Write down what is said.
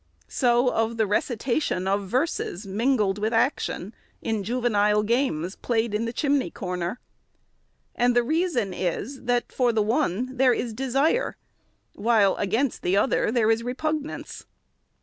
So of the recitation of verses, mingled with action, and of juvenile games, played in the chimney corner. And the reason is, that for the one, there is de sire ; while against the other, there is repugnance.